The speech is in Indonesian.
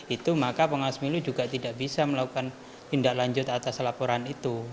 itu maka pengawas milu juga tidak bisa melakukan tindak lanjut atas laporan itu